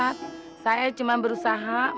saya cuma berusaha menjalani menjadi orang lain